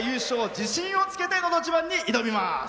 自信をつけて「のど自慢」に挑みます。